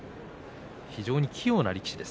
非常に器用な力士です